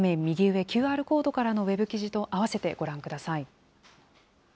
右上、ＱＲコードからのウェブ記事とあわせてご覧ください。